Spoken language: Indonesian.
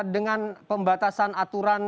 dengan pembatasan aturan